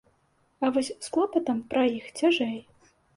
А вось з клопатам пра іх цяжэй.